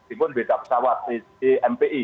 itu pun beda pesawat di mpi